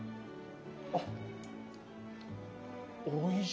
あっおいしい。